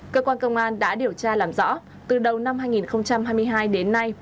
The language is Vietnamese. cơ quan công an đã điều tra làm rõ từ đầu năm hai nghìn hai mươi hai đến nay